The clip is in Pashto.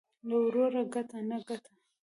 له وروره گټه ، نه گټه.